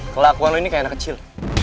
kelakuan lo ini kayak anak kecil